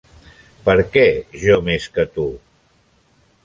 Per què jo més que tu?